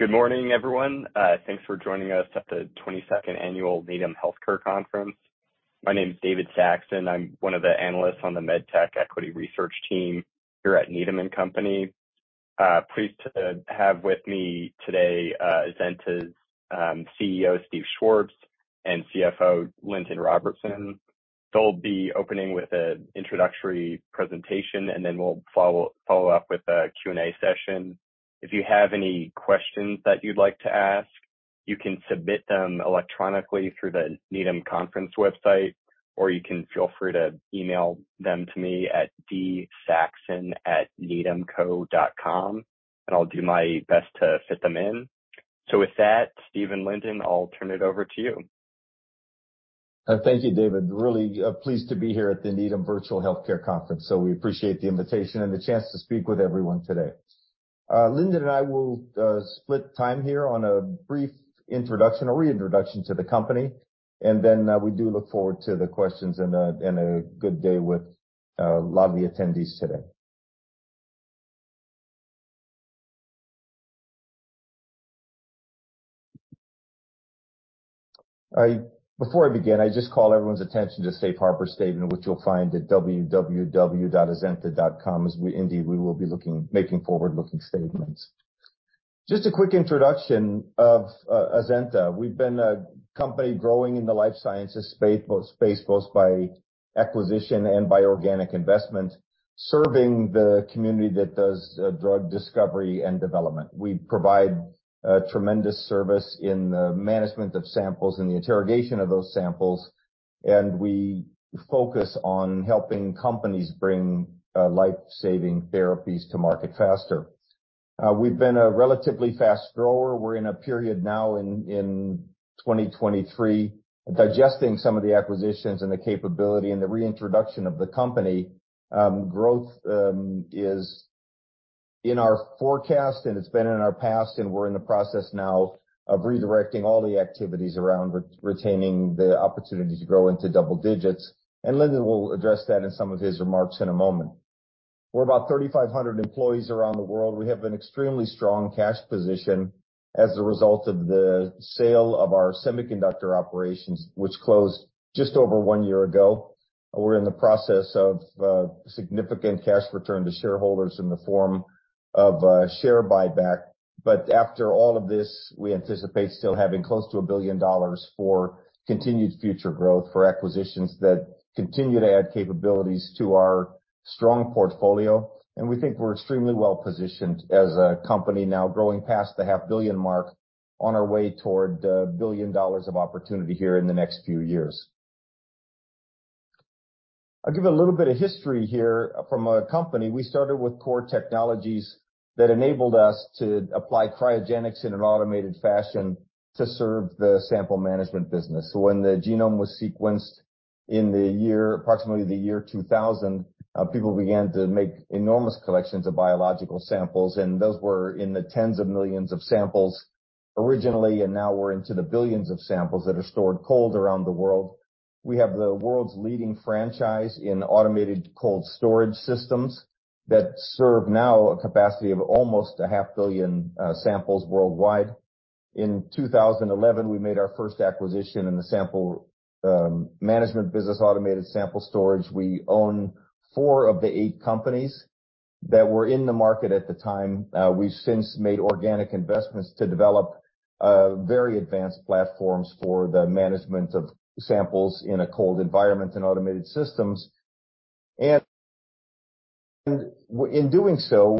Good morning, everyone. Thanks for joining us at the 22nd Annual Needham Healthcare Conference. My name is David Saxon. I'm one of the analysts on the med tech equity research team here at Needham and Company. Pleased to have with me today, Azenta's CEO, Steve Schwartz, and CFO, Lindon Robertson. They'll be opening with an introductory presentation, and then we'll follow up with a Q&A session. If you have any questions that you'd like to ask, you can submit them electronically through the Needham Conference website, or you can feel free to email them to me at dsaxon@needhamco.com, and I'll do my best to fit them in. With that, Steve and Lindon, I'll turn it over to you. Thank you, David. Really pleased to be here at the Needham Virtual Healthcare Conference. We appreciate the invitation and the chance to speak with everyone today. Lindon Robertson and I will split time here on a brief introduction or reintroduction to the company, and then we do look forward to the questions and a good day with a lot of the attendees today. All right. Before I begin, I just call everyone's attention to Safe Harbor statement which you'll find at www.azenta.com, as we indeed we will be making forward-looking statements. Just a quick introduction of Azenta. We've been a company growing in the life sciences space both by acquisition and by organic investment serving the community that does drug discovery and development. We provide a tremendous service in the management of samples and the interrogation of those samples and we focus on helping companies bring life-saving therapies to market faster. We've been a relatively fast grower. We're in a period now in 2023 digesting some of the acquisitions and the capability and the reintroduction of the company. Growth, is in our forecast, and it's been in our past, and we're in the process now of redirecting all the activities around retaining the opportunity to grow into double digits. Lindon will address that in some of his remarks in a moment. We're about 3,500 employees around the world. We have an extremely strong cash position as a result of the sale of our semiconductor operations, which closed just over one year ago. We're in the process of significant cash return to shareholders in the form of share buyback. After all of this, we anticipate still having close to $1 billion for continued future growth, for acquisitions that continue to add capabilities to our strong portfolio. We think we're extremely well-positioned as a company now growing past the half billion mark on our way toward $1 billion of opportunity here in the next few years. I'll give a little bit of history here from our company. We started with core technologies that enabled us to apply cryogenics in an automated fashion to serve the sample management business. When the genome was sequenced approximately the year 2000, people began to make enormous collections of biological samples. Those were in the tens of millions of samples originally. Now we're into the billions of samples that are stored cold around the world. We have the world's leading franchise in automated cold storage systems that serve now a capacity of almost a half billion samples worldwide. In 2011, we made our first acquisition in the sample management business, automated sample storage. We own four of the eight companies that were in the market at the time. We've since made organic investments to develop very advanced platforms for the management of samples in a cold environment and automated systems. In doing so,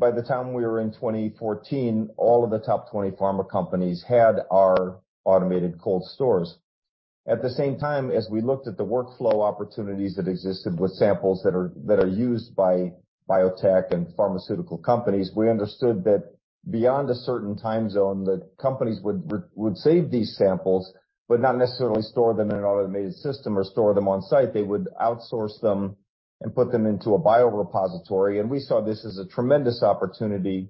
by the time we were in 2014, all of the top 20 pharma companies had our automated cold stores. At the same time, as we looked at the workflow opportunities that existed with samples that are used by biotech and pharmaceutical companies we understood that beyond a certain time zone, the companies would save these samples but not necessarily store them in an automated system or store them on-site. They would outsource them and put them into a biorepository. We saw this as a tremendous opportunity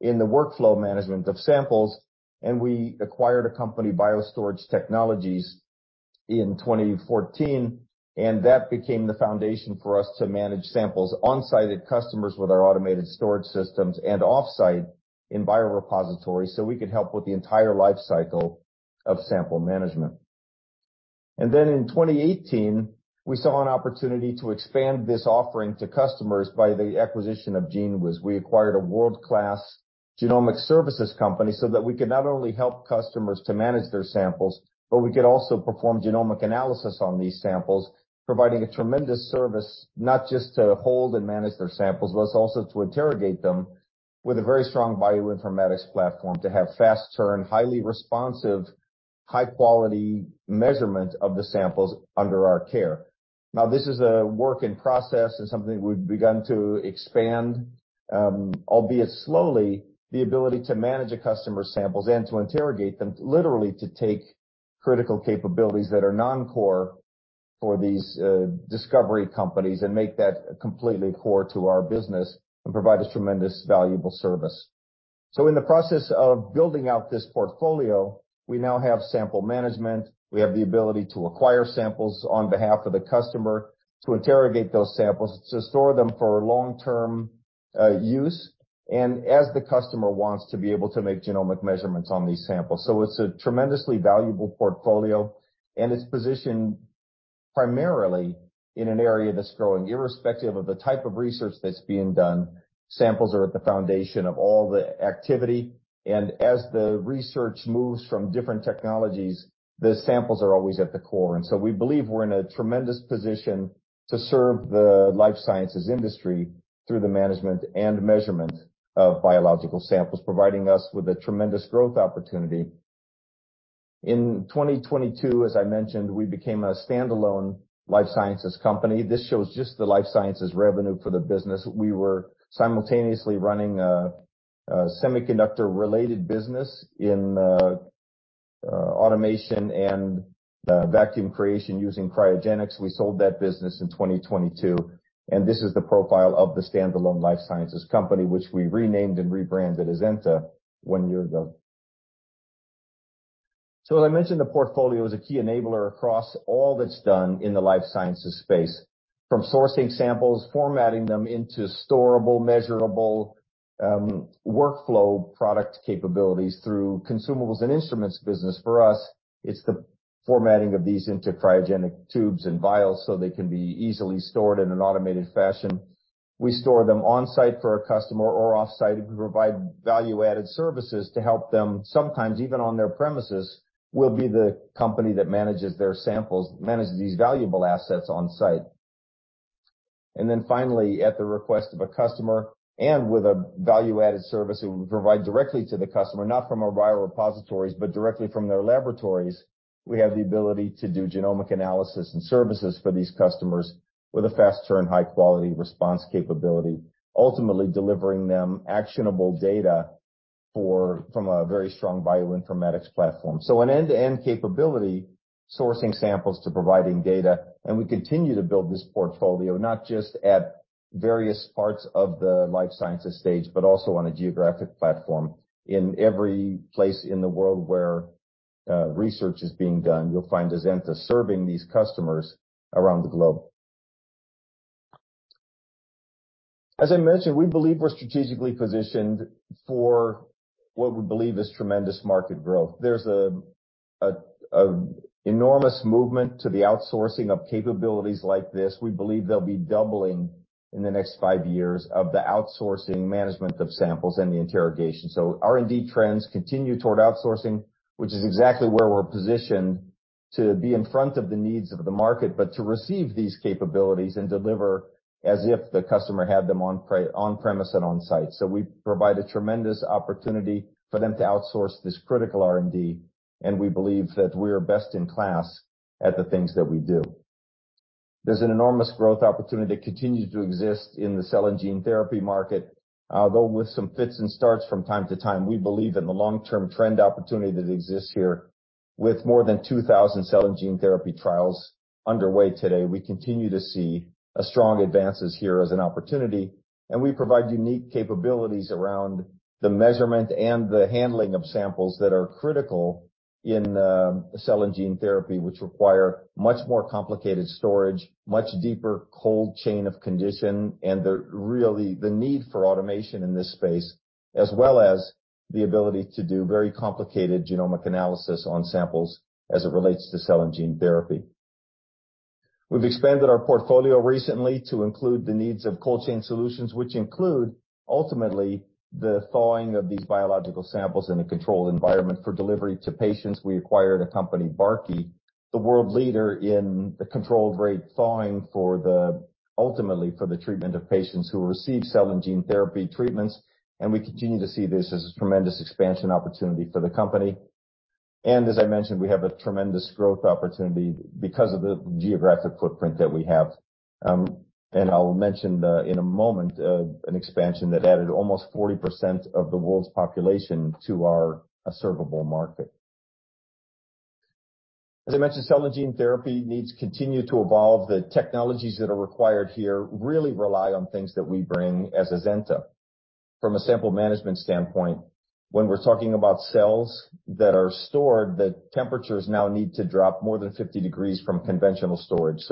in the workflow management of samples, and we acquired a company, BioStorage Technologies, in 2014, and that became the foundation for us to manage samples on-site at customers with our automated storage systems and off-site in biorepositories, so we could help with the entire life cycle of sample management. In 2018, we saw an opportunity to expand this offering to customers by the acquisition of GENEWIZ. We acquired a world-class genomic services company so that we could not only help customers to manage their samples, but we could also perform genomic analysis on these samplesproviding a tremendous service, not just to hold and manage their samplebut it's also to interrogate them with a very strong bioinformatics platform to have fast turn, highly responsive, high-quality measurement of the samples under our care. This is a work in process and something we've begun to expand, albeit slowly, the ability to manage a customer's samples and to interrogate them, literally to take critical capabilities that are non-core for these discovery companies and make that completely core to our business and provide a tremendous valuable service. In the process of building out this portfolio, we now have sample management. We have the ability to acquire samples on behalf of the customer, to interrogate those samples, to store them for long-term use, and as the customer wants to be able to make genomic measurements on these samples. It's a tremendously valuable portfolio, and it's positioned primarily in an area that's growing. Irrespective of the type of research that's being done, samples are at the foundation of all the activity. As the research moves from different technologies the samples are always at the core. We believe we're in a tremendous position to serve the life sciences industry through the management and measurement of biological samples providing us with a tremendous growth opportunity. In 2022, as I mentioned, we became a standalone life sciences company. This shows just the life sciences revenue for the business. We were simultaneously running a semiconductor-related business in automation and vacuum creation using cryogenics. We sold that business in 2022 and this is the profile of the standalone life sciences company, which we renamed and rebranded Azenta one year ago. As I mentioned, the portfolio is a key enabler across all that's done in the life sciences space from sourcing samples, formatting them into storable, measurable workflow product capabilities through consumables and instruments business. For us, it's the formatting of these into cryogenic tubes and vials, so they can be easily stored in an automated fashion. We store them on-site for a customer or off-site, we provide value-added services to help them. Sometimes even on their premises, we'll be the company that manages their samples, manage these valuable assets on-site. Finally, at the request of a customer and with a value-added service that we provide directly to the customer, not from our biorepositories, but directly from their laboratories, we have the ability to do genomic analysis and services for these customers with a fast turn, high-quality response capability, ultimately delivering them actionable data from a very strong bioinformatics platform. An end-to-end capability, sourcing samples to providing data, and we continue to build this portfolio not just at various parts of the life sciences stage but also on a geographic platform. In every place in the world where research is being done, you'll find Azenta serving these customers around the globe. As I mentioned, we believe we're strategically positioned for what we believe is tremendous market growth. There's a enormous movement to the outsourcing of capabilities like this. We believe they'll be doubling in the next five years of the outsourcing management of samples and the interrogation so R&D trends continue toward outsourcing, which is exactly where we're positioned to be in front of the needs of the market, to receive these capabilities and deliver as if the customer had them on-premise and on-site. We provide a tremendous opportunity for them to outsource this critical R&D, and we believe that we are best in class at the things that we do. There's an enormous growth opportunity that continues to exist in the cell and gene therapy market. Although with some fits and starts from time to time we believe in the long-term trend opportunity that exists here. With more than 2,000 cell and gene therapy trials underway today, we continue to see a strong advances here as an opportunity. We provide unique capabilities around the measurement and the handling of samples that are critical in cell and gene therapy, which require much more complicated storage, much deeper cold chain of condition, and the need for automation in this space, as well as the ability to do very complicated genomic analysis on samples as it relates to cell and gene therapy. We've expanded our portfolio recently to include the needs of cold chain solutions which include ultimately the thawing of these biological samples in a controlled environment for delivery to patients. We acquired a company, Barkey, the world leader in controlled rate thawing ultimately for the treatment of patients who receive cell and gene therapy treatments. We continue to see this as a tremendous expansion opportunity for the company. As I mentioned, we have a tremendous growth opportunity because of the geographic footprint that we have. I'll mention the, in a moment, an expansion that added almost 40% of the world's population to our servable market. As I mentioned, cell and gene therapy needs continue to evolve. The technologies that are required here really rely on things that we bring as Azenta. From a sample management standpoint, when we're talking about cells that are stored, the temperatures now need to drop more than 50 degrees from conventional storage.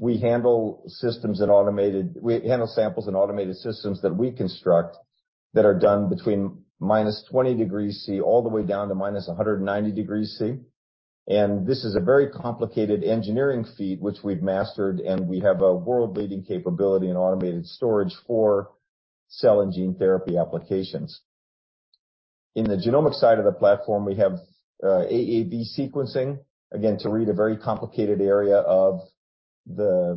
We handle samples in automated systems that we construct that are done between minus 20 degrees Celsius all the way down to minus 190 degrees Celsius. This is a very complicated engineering feat which we've mastered, and we have a world-leading capability in automated storage for cell and gene therapy applications. In the genomic side of the platform, we have AAV sequencing, again, to read a very complicated area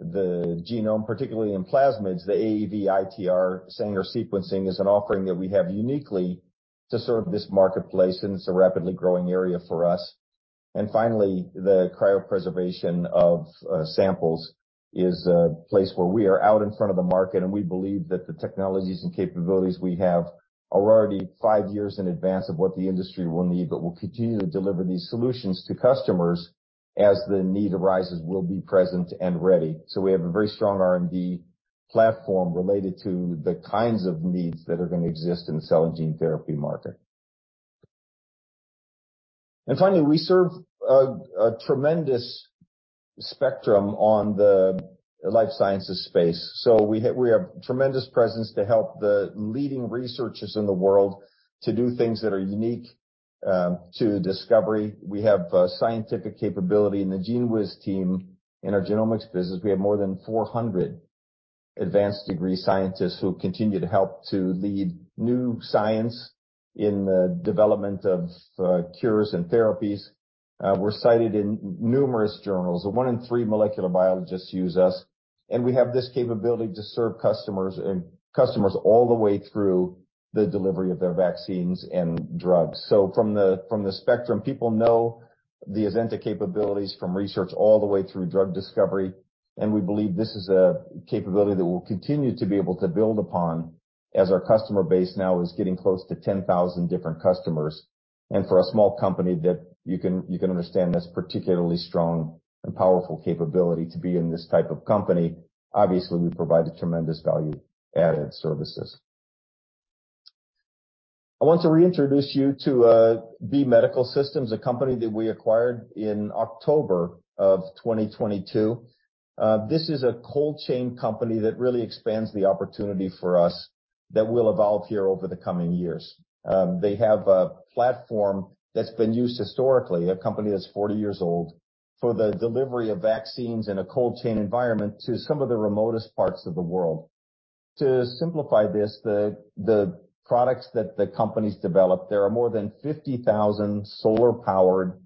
of the genome, particularly in plasmids. The AAV-ITR Sanger Sequencing is an offering that we have uniquely to serve this marketplace, and it's a rapidly growing area for us. Finally, the cryopreservation of samples is a place where we are out in front of the market, and we believe that the technologies and capabilities we have are already five years in advance of what the industry will need, but we'll continue to deliver these solutions to customers. As the need arises, we'll be present and ready. We have a very strong R&D platform related to the kinds of needs that are gonna exist in the cell and gene therapy market. Finally, we serve a tremendous spectrum on the life sciences space. We have tremendous presence to help the leading researchers in the world to do things that are unique to discovery. We have scientific capability in the GENEWIZ team. In our genomics business, we have more than 400 advanced degree scientists who continue to help to lead new science in the development of cures and therapies. We're cited in numerous journals. One in three molecular biologists use us, and we have this capability to serve customers all the way through the delivery of their vaccines and drugs. From the spectrum, people know the Azenta capabilities from research all the way through drug discovery, and we believe this is a capability that we'll continue to be able to build upon as our customer base now is getting close to 10,000 different customers. For a small company that you can understand that's particularly strong and powerful capability to be in this type of company. Obviously, we provide a tremendous value-added services. I want to reintroduce you to B Medical Systems, a company that we acquired in October of 2022. This is a cold chain company that really expands the opportunity for us that will evolve here over the coming years. They have a platform that's been used historically, a company that's 40 years old, for the delivery of vaccines in a cold chain environment to some of the remotest parts of the world. To simplify this, the products that the company's developed, there are more than 50,000 solar-powered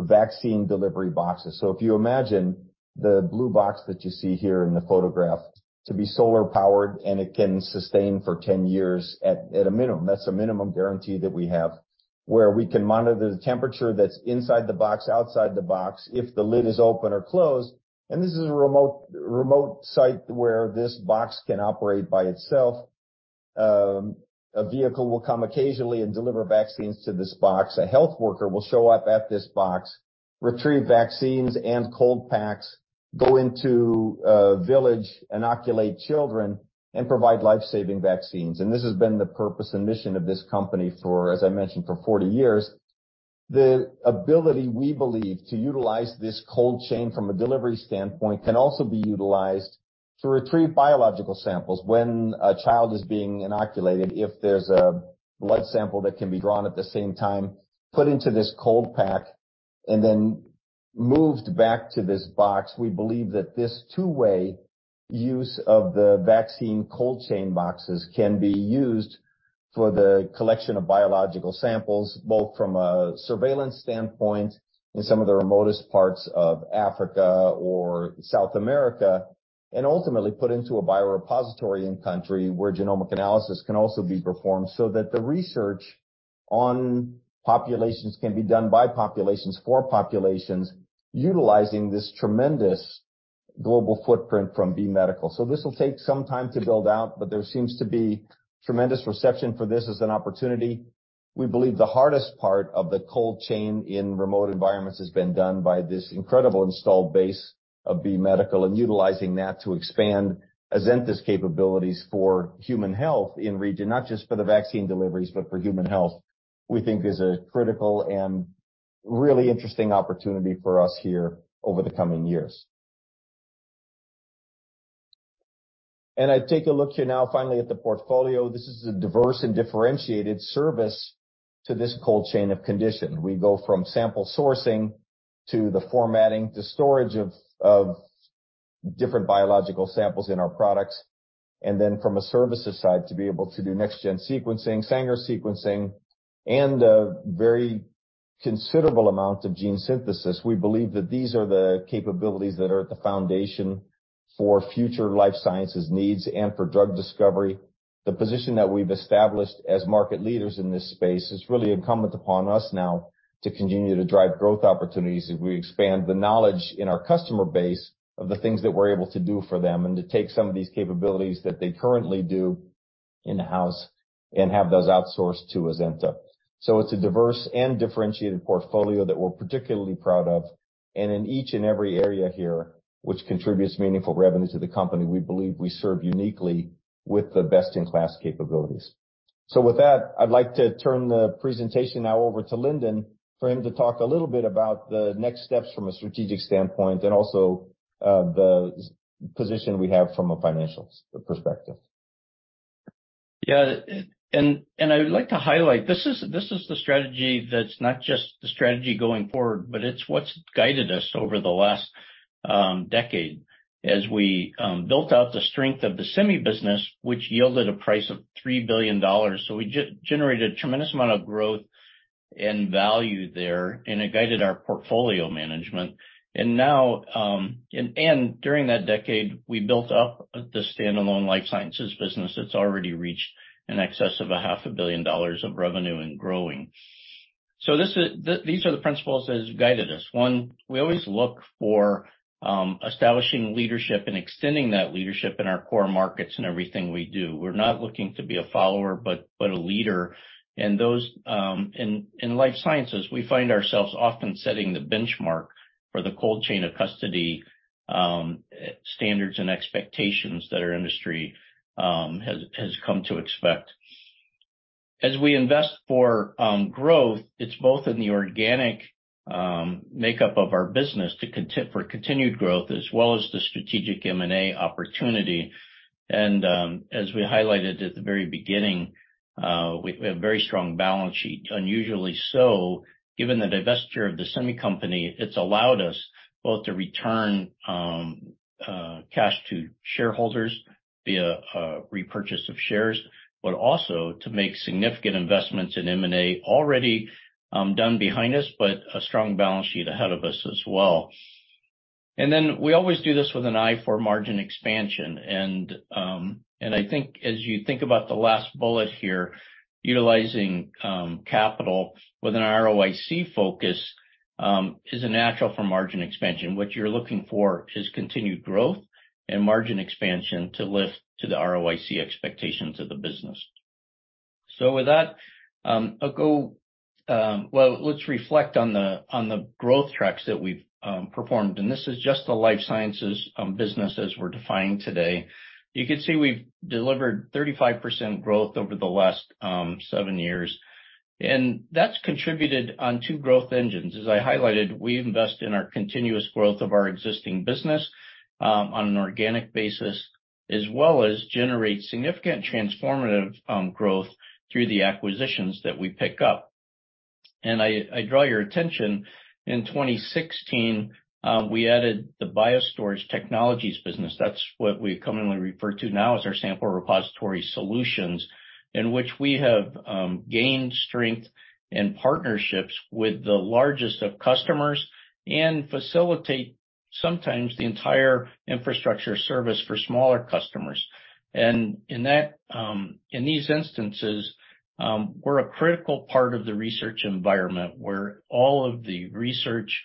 vaccine delivery boxes. If you imagine the blue box that you see here in the photograph to be solar powered, and it can sustain for 10 years at a minimum. That's a minimum guarantee that we have, where we can monitor the temperature that's inside the box, outside the box, if the lid is open or closed. This is a remote site where this box can operate by itself. A vehicle will come occasionally and deliver vaccines to this box. A health worker will show up at this box, retrieve vaccines and cold packs, go into a village, inoculate children, and provide life-saving vaccines. This has been the purpose and mission of this company for, as I mentioned, for 40 years. The ability, we believe, to utilize this cold chain from a delivery standpoint can also be utilized to retrieve biological samples. When a child is being inoculated, if there's a blood sample that can be drawn at the same time, put into this cold pack, and then moved back to this box. We believe that this two-way use of the vaccine cold chain boxes can be used for the collection of biological samples both from a surveillance standpoint in some of the remotest parts of Africa or South America, and ultimately put into a biorepository in country where genomic analysis can also be performed so that the research on populations can be done by populations, for populations, utilizing this tremendous global footprint from B Medical. This will take some time to build out but there seems to be tremendous reception for this as an opportunity. We believe the hardest part of the cold chain in remote environments has been done by this incredible installed base of B Medical and utilizing that to expand Azenta's capabilities for human health in region, not just for the vaccine deliveries, but for human health we think is a critical and really interesting opportunity for us here over the coming years. I take a look here now finally at the portfolio. This is a diverse and differentiated service to this cold chain of condition. We go from sample sourcing to the formatting to storage of different biological samples in our products and then from a services side, to be able to do next-gen sequencing, Sanger sequencing, and a very considerable amount of gene synthesis. We believe that these are the capabilities that are at the foundation for future life sciences needs and for drug discovery. The position that we've established as market leaders in this space, it's really incumbent upon us now to continue to drive growth opportunities as we expand the knowledge in our customer base of the things that we're able to do for them, and to take some of these capabilities that they currently do in-house and have those outsourced to Azenta. It's a diverse and differentiated portfolio that we're particularly proud of. In each and every area here, which contributes meaningful revenue to the company, we believe we serve uniquely with the best-in-class capabilities. With that, I'd like to turn the presentation now over to Lindon for him to talk a little bit about the next steps from a strategic standpoint and also the position we have from a financial perspective. Yeah. I would like to highlight, this is the strategy that's not just the strategy going forward, but it's what's guided us over the last decade as we built out the strength of the semi business, which yielded a price of $3 billion. We generated a tremendous amount of growth and value there, and it guided our portfolio management. Now, during that decade, we built up the standalone life sciences business that's already reached in excess of a half a billion dollars of revenue and growing. These are the principles that has guided us. One, we always look for establishing leadership and extending that leadership in our core markets in everything we do. We're not looking to be a follower but a leader. Those in life sciences, we find ourselves often setting the benchmark for the cold chain of custody, standards and expectations that our industry has come to expect. As we invest for growth, it's both in the organic makeup of our business for continued growth as well as the strategic M&A opportunity. As we highlighted at the very beginning, we have very strong balance sheet, unusually so. Given the divesture of the semi company, it's allowed us both to return cash to shareholders via repurchase of shares, but also to make significant investments in M&A already done behind us, but a strong balance sheet ahead of us as well. We always do this with an eye for margin expansion, and I think as you think about the last bullet here, utilizing capital with an ROIC focus is a natural for margin expansion. What you're looking for is continued growth and margin expansion to lift to the ROIC expectations of the business. Let's reflect on the growth tracks that we've performed, and this is just the life sciences business as we're defining today. You can see we've delivered 35% growth over the last seven years, and that's contributed on two growth engines. As I highlighted, we invest in our continuous growth of our existing business on an organic basis, as well as generate significant transformative growth through the acquisitions that we pick up. I draw your attention, in 2016, we added the BioStorage Technologies business. That's what we commonly refer to now as our Sample Repository Solutions in which we have gained strength and partnerships with the largest of customers and facilitate sometimes the entire infrastructure service for smaller customers. In that, in these instances, we're a critical part of the research environment where all of the research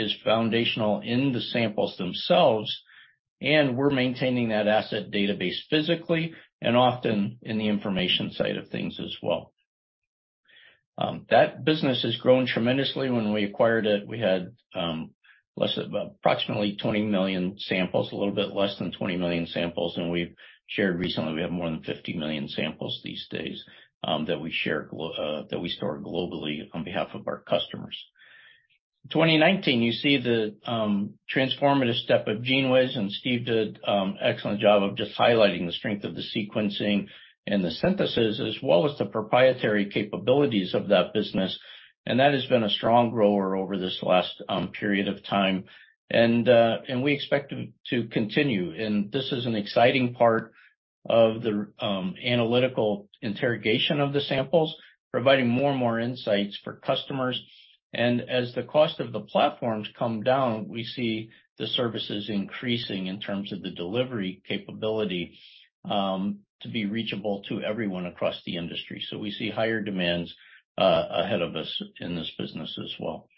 is foundational in the samples themselves, and we're maintaining that asset database physically and often in the information side of things as well. That business has grown tremendously. When we acquired we had approximately 20 million samples, a little bit less than 20 million samples and we've shared recently we have more than 50 million samples these days, that we store globally on behalf of our customers. 2019, you see the transformative step of GENEWIZ. Steve did excellent job of just highlighting the strength of the sequencing and the synthesis as well as the proprietary capabilities of that business. That has been a strong grower over this last period of time. We expect it to continue. This is an exciting part of the analytical interrogation of the samples, providing more and more insights for customers. As the cost of the platforms come down we see the services increasing in terms of the delivery capability to be reachable to everyone across the industry. We see higher demands ahead of us in this business as well.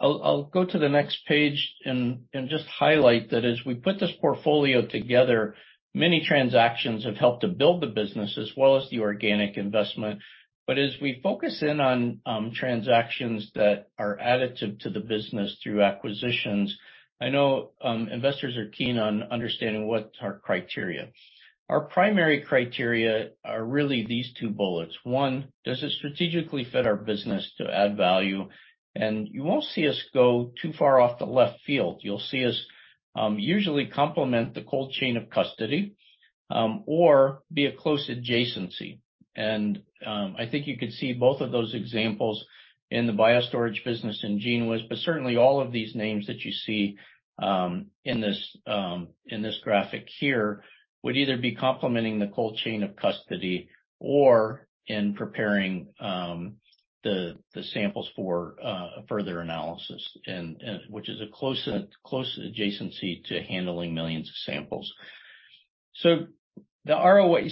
I'll go to the next page and just highlight that as we put this portfolio together many transactions have helped to build the business as well as the organic investment. As we focus in on transactions that are additive to the business through acquisitions, I know investors are keen on understanding what's our criteria? Our primary criteria are really these two bullets. One, does it strategically fit our business to add value? You won't see us go too far off the left field. You'll see us usually complement the cold chain of custody or be a close adjacency. I think you could see both of those examples in the BioStorage business and GENEWIZ, but certainly all of these names that you see in this graphic here would either be complementing the cold chain of custody or in preparing the samples for further analysis and which is a close adjacency to handling millions of samples. The ROIC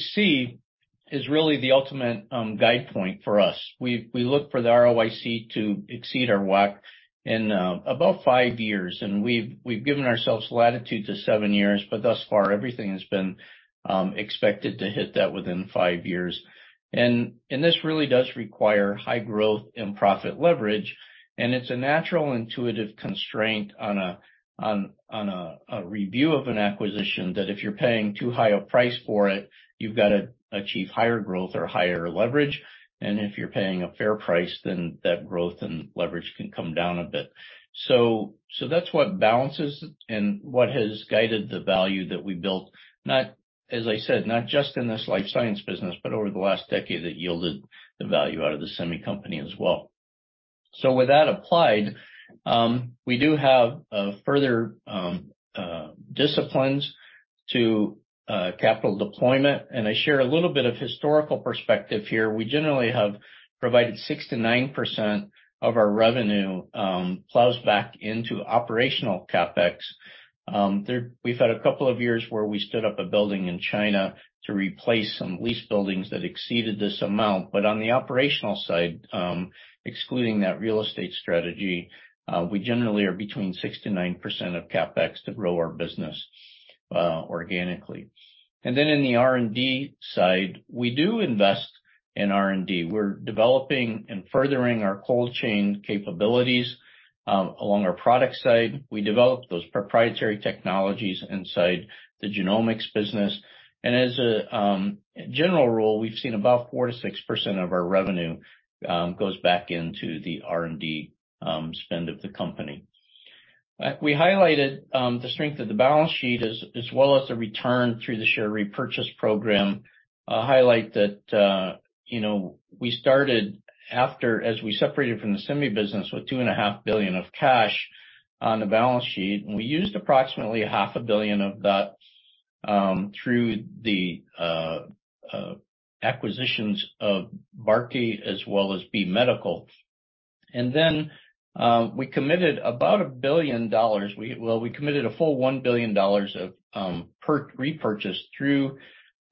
is really the ultimate guide point for us. We look for the ROIC to exceed our WACC in about five years, and we've given ourselves latitude to seven years, but thus far, everything has been expected to hit that within five years. This really does require high growth and profit leverage, and it's a natural intuitive constraint on a review of an acquisition that if you're paying too high a price for it, you've got to achieve higher growth or higher leverage. If you're paying a fair price then that growth and leverage can come down a bit. That's what balances and what has guided the value that we built, not, as I said, not just in this life science business, but over the last decade that yielded the value out of the semi company as well. With that applied, we do have further disciplines to capital deployment, and I share a little bit of historical perspective here. We generally have provided 6%-9% of our revenue plows back into operational CapEx. We've had a couple of years where we stood up a building in China to replace some leased buildings that exceeded this amount. On the operational side, excluding that real estate strategy, we generally are between 6%-9% of CapEx to grow our business. Organically. Then in the R&D side, we do invest in R&D. We're developing and furthering our cold chain capabilities along our product side. We develop those proprietary technologies inside the genomics business. As a general rule, we've seen about 4%-6% of our revenue goes back into the R&D spend of the company. We highlighted the strength of the balance sheet as well as the return through the share repurchase program. I'll highlight that, you know, we started as we separated from the semi business with two and a half billion of cash on the balance sheet, and we used approximately half a billion of that through the acquisitions of Barkey as well as B Medical. Then, we committed about $1 billion. Well, we committed a full $1 billion of per repurchase through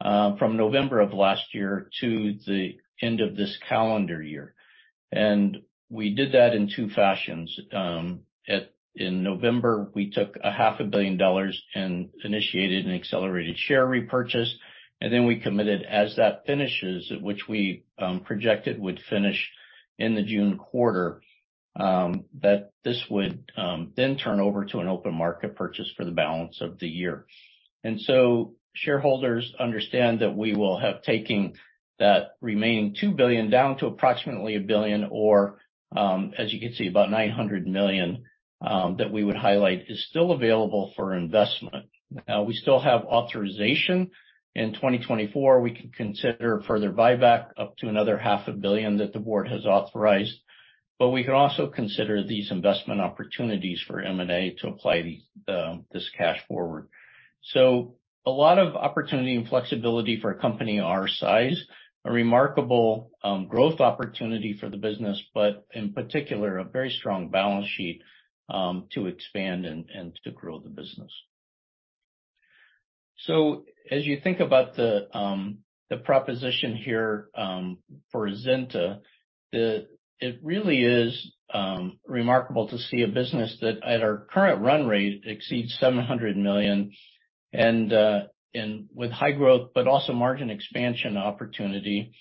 from November of last year to the end of this calendar year. We did that in two fashions. At, in November, we took half a billion dollars and initiated an accelerated share repurchase, and then we committed as that finishes, which we projected would finish in the June quarter that this would then turn over to an open market purchase for the balance of the year. Shareholders understand that we will have taken that remaining $2 billion down to approximately $1 billion, or, as you can see, about $900 million that we would highlight is still available for investment. We still have authorization. In 2024, we can consider further buyback up to another half a billion that the board has authorized, but we can also consider these investment opportunities for M&A to apply these this cash forward. A lot of opportunity and flexibility for a company our size, a remarkable growth opportunity for the business, but in particular a very strong balance sheet to expand and to grow the business. As you think about the proposition here for Ziath, it really is remarkable to see a business that at our current run rate exceeds $700 million and with high growt but also margin expansion opportunity.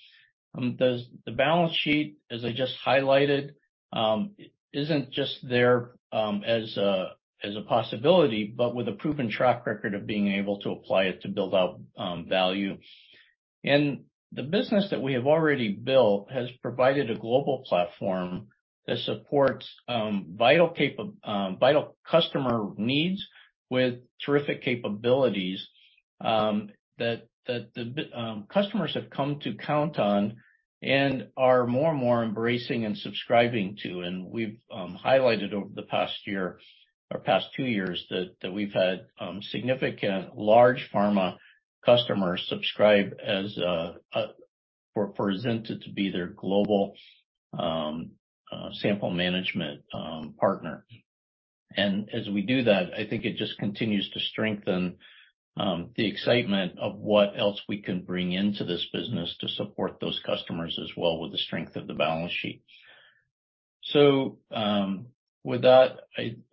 Does the balance sheet as I just highlighted isn't just there as a possibility, but with a proven track record of being able to apply it to build out value. The business that we have already built has provided a global platform that supports vital customer needs with terrific capabilities that the customers have come to count on and are more and more embracing and subscribing to. We've highlighted over the past year or past two years that we've had significant large pharma customers subscribe as for Azenta to be their global sample management partner. As we do that, I think it just continues to strengthen the excitement of what else we can bring into this business to support those customers as well with the strength of the balance sheet. With that,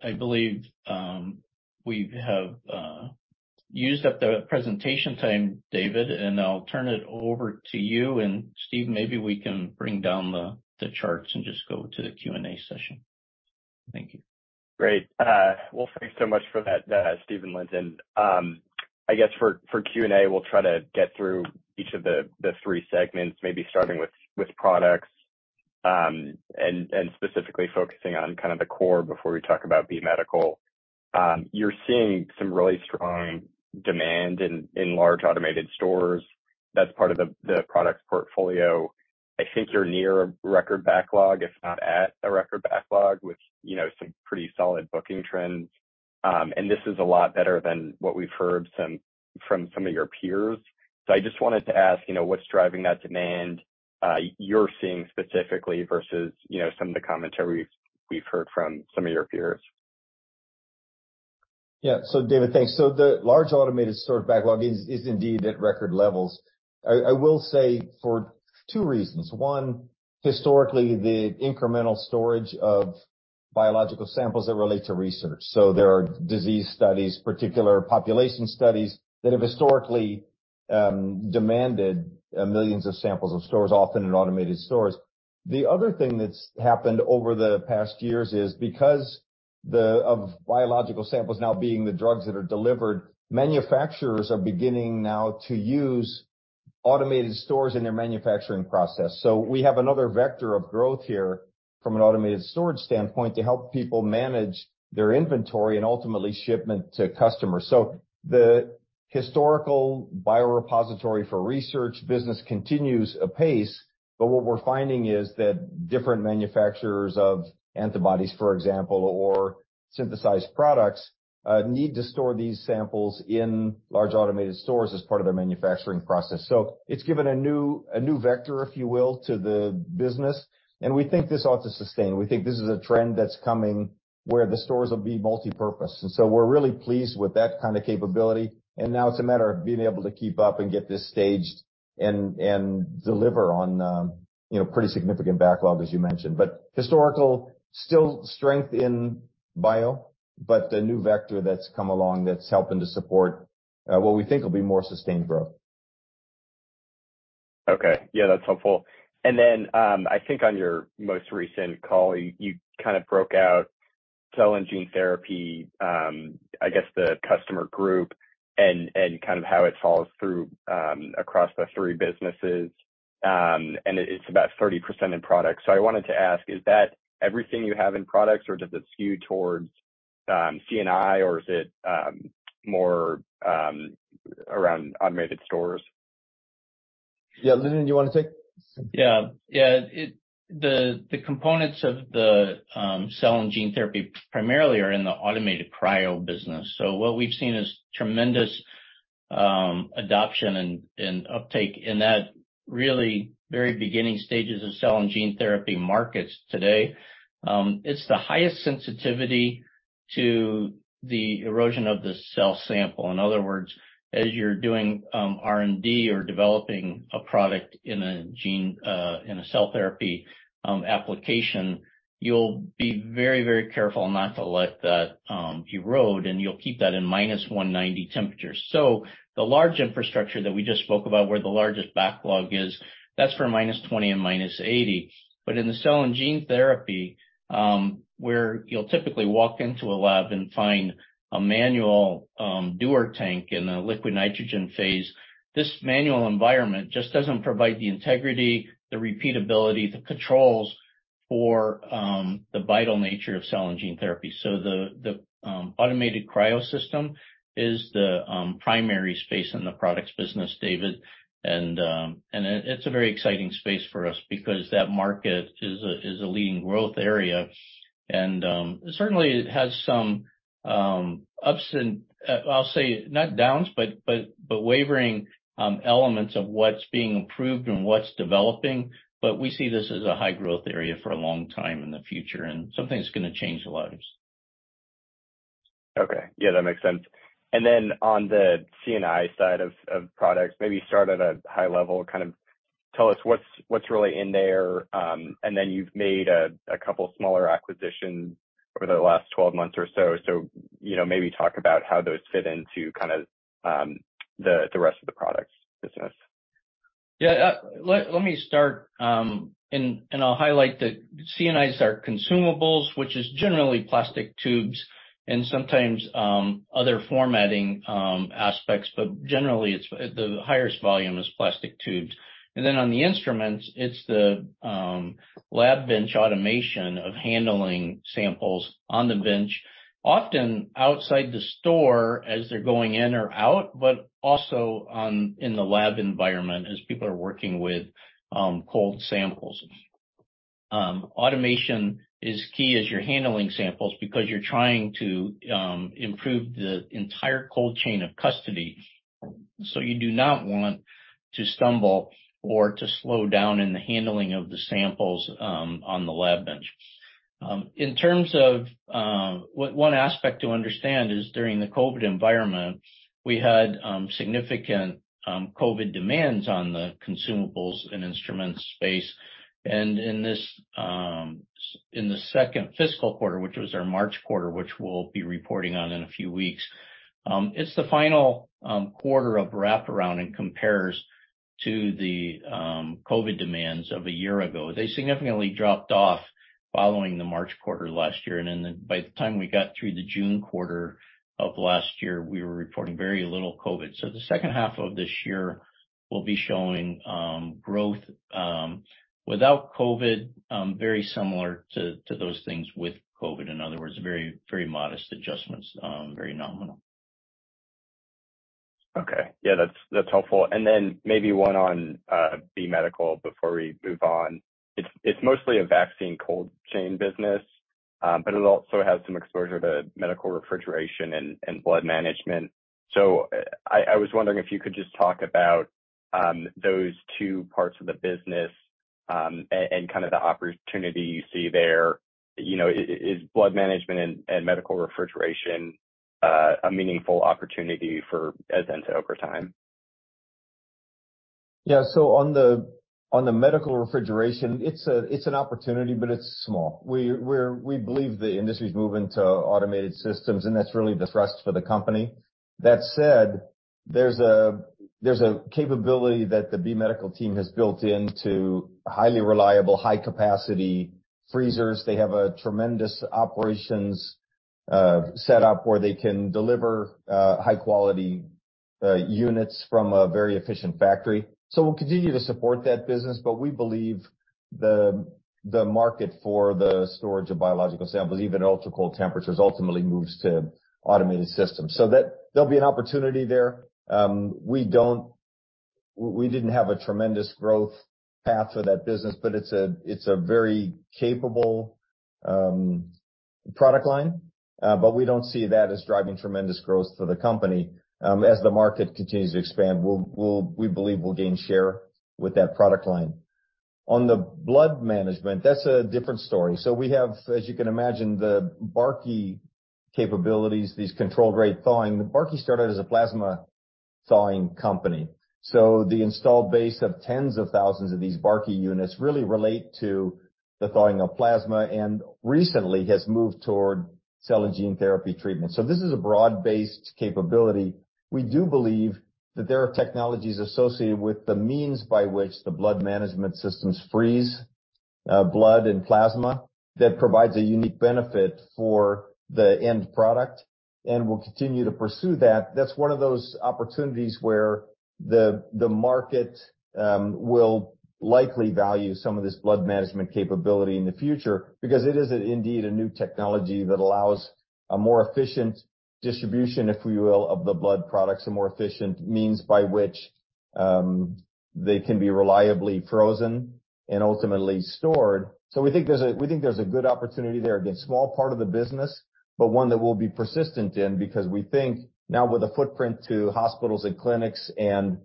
I believe, we have used up the presentation time David, and I'll turn it over to you and Steve. Maybe we can bring down the charts and just go to the Q&A session. Thank you. Great. Well, thanks so much for that, Steve and Lyndon. I guess for Q&A, we'll try to get through each of the three segments, maybe starting with products, and specifically focusing on kind of the core before we talk about B Medical. You're seeing some really strong demand in large automated stores. That's part of the product portfolio. I think you're near a record backlog, if not at a record backlog, with, you know, some pretty solid booking trends. This is a lot better than what we've heard from some of your peers. I just wanted to ask, you know, what's driving that demand you're seeing specifically versus, you know, some of the commentary we've heard from some of your peers. David, thanks. The large automated sort of backlog is indeed at record levels. I will say for two reasons. One, historically, the incremental storage of biological samples that relate to research. There are disease studies particular population studies that have historically demanded millions of samples of storage, often in automated stores. The other thing that's happened over the past years is because the, of biological samples now being the drugs that are delivered, manufacturers are beginning now to use automated stores in their manufacturing process. We have another vector of growth here from an automated storage standpoint to help people manage their inventory and ultimately shipment to customers. The historical biorepository for research business continues apace but what we're finding is that different manufacturers of antibodies, for example, or synthesized products, need to store these samples in large automated stores as part of their manufacturing process. It's given a new vector if you will to the business, and we think this ought to sustain. We think this is a trend that's coming where the stores will be multipurpose. We're really pleased with that kind of capability. Now it's a matter of being able to keep up and get this staged and deliver on, you know, pretty significant backlog, as you mentioned, but historical still strength in biombut a new vector that's come along that's helping to support what we think will be more sustained growth. Okay. Yeah, that's helpful. I think on your most recent call, you kind of broke out cell and gene therapy, I guess the customer group and kind of how it falls through across the three businesses. It's about 30% in products. I wanted to ask, is that everything you have in products, or does it skew towards C&I, or is it more around automated stores? Yeah. Lyndon, do you wanna take? Yeah. Yeah. The components of the cell and gene therapy primarily are in the automated cryo business. What we've seen is tremendous adoption and uptake in that really very beginning stages of cell and gene therapy markets today. It's the highest sensitivity to the erosion of the cell sample. In other words, as you're doing R&D or developing a product in a gene, in a cell therapy application, you'll be very, very careful not to let that erode, and you'll keep that in minus 190 temperatures. The large infrastructure that we just spoke about, where the largest backlog is, that's for minus 20 and minus 80. In the cell and gene therapy, where you'll typically walk into a lab and find a manual dewar tank in a liquid nitrogen phase, this manual environment just doesn't provide the integrity, the repeatability, the controls for the vital nature of cell and gene therapy. The automated cryo system is the primary space in the products business, David. It's a very exciting space for us because that market is a leading growth area. Certainly it has some ups and I'll say not downs, but wavering elements of what's being approved and what's developing. We see this as a high growth area for a long time in the future, and something that's gonna change lives. Okay. Yeah, that makes sense. Then on the C&I side of products, maybe start at a high level, kind of tell us what's really in there. Then you've made a couple smaller acquisitions over the last 12 months or so. You know, maybe talk about how those fit into kind of the rest of the products business. Let me start, and I'll highlight that C&Is are consumables which is generally plastic tubes and sometimes other formatting aspects. Generally, the highest volume is plastic tubes. On the instruments, it's the lab bench automation of handling samples on the bench, often outside the store as they're going in or out, but also in the lab environment as people are working with cold samples. Automation is key as you're handling samples because you're trying to improve the entire cold chain of custody, so you do not want to stumble or to slow down in the handling of the samples on the lab bench. In terms of, one aspect to understand is during the COVID environment, we had significant COVID demands on the consumables and instruments space. In this, in the second fiscal quarter, which was our March quarter, which we'll be reporting on in a few weeks, it's the final quarter of wraparound and compares to the COVID demands of 1 year ago. They significantly dropped off following the March quarter last year. By the time we got through the June quarter of last year, we were reporting very little COVID. The second half of this year will be showing growth without COVID, very similar to those things with COVID. In other words, very modest adjustments, very nominal. Okay. Yeah. That's helpful. Maybe one on B Medical before we move on. It's mostly a vaccine cold chain business, but it also has some exposure to medical refrigeration and blood management. I was wondering if you could just talk about those two parts of the business and kind of the opportunity you see there. You know, is blood management and medical refrigeration a meaningful opportunity for Azenta over time? On the medical refrigeration, it's an opportunity, but it's small. We believe the industry's moving to automated systems, that's really the thrust for the company. That said, there's a capability that the B Medical team has built into highly reliable, high capacity freezers. They have a tremendous operations set up where they can deliver high quality units from a very efficient factory. We'll continue to support that business, but we believe the market for the storage of biological samples even ultra-cold temperatures, ultimately moves to automated systems. There'll be an opportunity there. We didn't have a tremendous growth path for that business, but it's a very capable product line. We don't see that as driving tremendous growth for the company. As the market continues to expand, we believe we'll gain share with that product line. On the blood management, that's a different story. We have, as you can imagine, the Barkey capabilities, these controlled rate thawing. Barkey started as a plasma-thawing company. The installed base of tens of thousands of these Barkey units really relate to the thawing of plasma, and recently has moved toward cell and gene therapy treatment. This is a broad-based capability. We do believe that there are technologies associated with the means by which the blood management systems freeze blood and plasma that provides a unique benefit for the end product, and we'll continue to pursue that. That's one of those opportunities where the market will likely value some of this blood management capability in the future because it is, indeed, a new technology that allows a more efficient distribution, if we will, of the blood products, a more efficient means by which they can be reliably frozen and ultimately stored. We think there's a good opportunity there. Again, small part of the business, but one that we'll be persistent in because we think now with a footprint to hospitals and clinics and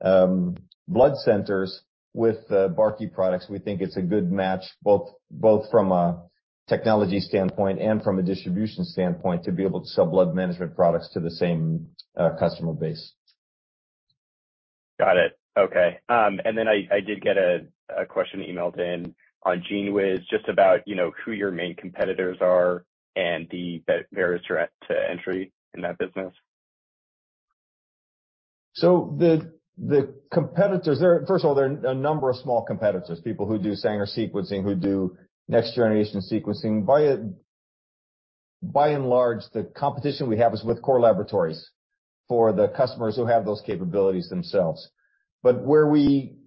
blood centers with the Barkey products, we think it's a good match both from a technology standpoint and from a distribution standpoint to be able to sell blood management products to the same customer base. Got it. Okay. Then I did get a question emailed in on GENEWIZ just about, you know, who your main competitors are and the barriers to entry in that business. First of all, there are a number of small competitors, people who do Sanger sequencing, who do next-generation sequencing. By and large, the competition we have is with core laboratories for the customers who have those capabilities themselves. Where we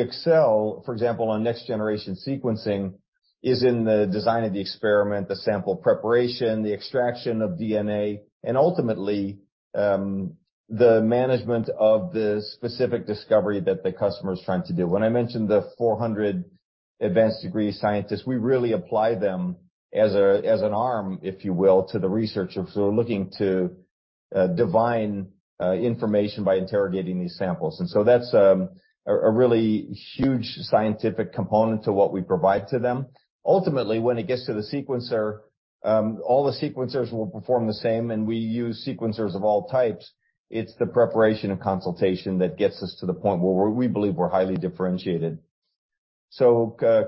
excel, for example, on next-generation sequencing, is in the design of the experiment, the sample preparation, the extraction of DNA, and ultimately, the management of the specific discovery that the customer is trying to do. When I mentioned the 400 advanced degree scientists, we really apply them as an arm, if you will, to the researchers who are looking to divine information by interrogating these samples. That's a really huge scientific component to what we provide to them. Ultimately, when it gets to the sequencer, all the sequencers will perform the same, and we use sequencers of all types. It's the preparation and consultation that gets us to the point where we believe we're highly differentiated.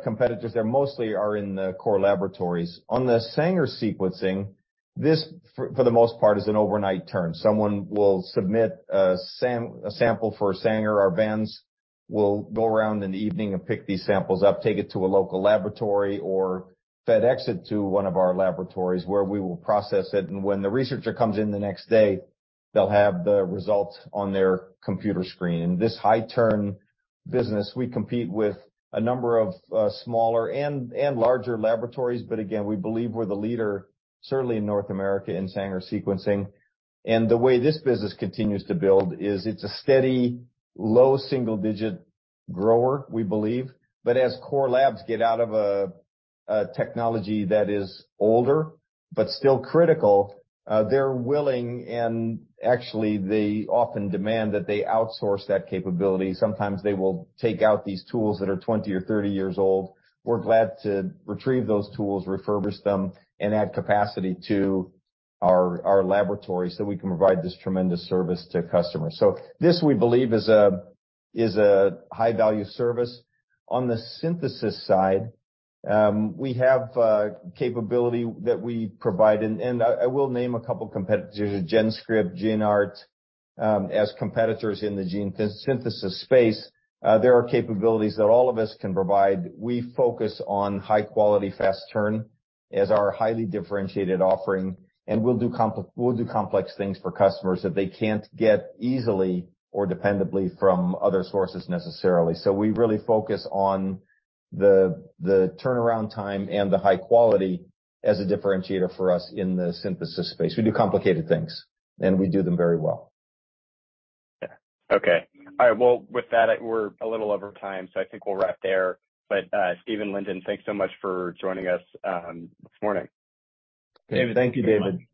Competitors there mostly are in the core laboratories. On the Sanger sequencing, this for the most part is an overnight turn. Someone will submit a sample for Sanger. Our vans will go around in the evening and pick these samples up, take it to a local laboratory or FedEx it to one of our laboratories where we will process it. When the researcher comes in the next day, they'll have the results on their computer screen. In this high turn business, we compete with a number of smaller and larger laboratories, again, we believe we're the leader certainly in North America in Sanger sequencing. The way this business continues to build is it's a steady low double-digit grower, we believe. As core labs get out of a technology that is older but still critical, they're willing and actually they often demand that they outsource that capability. Sometimes they will take out these tools that are 20 or 30 years old. We're glad to retrieve those tools, refurbish them and add capacity to our laboratory, we can provide this tremendous service to customers. This, we believe, is a high-value service. On the synthesis side we have a capability that we provide and I will name a couple competitors, GenScript, GeneArt, as competitors in the gene synthesis space. There are capabilities that all of us can provide. We focus on high quality, fast turn as our highly differentiated offering, and we'll do complex things for customers that they can't get easily or dependably from other sources necessarily. We really focus on the turnaround time and the high quality as a differentiator for us in the synthesis space. We do complicated things, and we do them very well. Yeah. Okay. All right. Well, with that, we're a little over time, so I think we'll wrap there. Steve, Lindon thanks so much for joining us this morning. Thank you, David.